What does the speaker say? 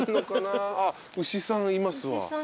あっ牛さんいますわ。